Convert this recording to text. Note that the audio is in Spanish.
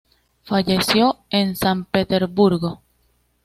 Falleció en San Petersburgo.